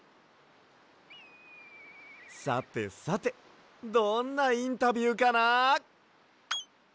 さてさてどんなインタビューかな？